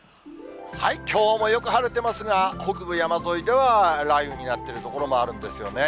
きょうもよく晴れてますが、北部山沿いでは雷雨になってる所もあるんですよね。